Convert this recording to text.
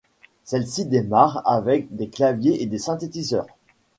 Celle-ci démarre avec des claviers et des synthétiseurs.